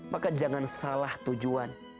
maka jangan salah tujuan